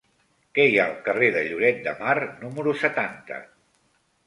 Què hi ha al carrer de Lloret de Mar número setanta?